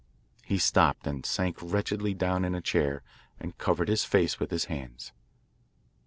He stopped and sank wretchedly down in a chair and covered his face with his hands.